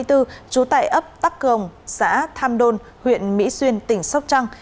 trú tại ấp tắc cường xã tham đôn huyện mỹ xuyên tỉnh sóc trăng